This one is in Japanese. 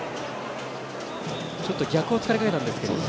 ちょっと逆を突かれかけたんですけど。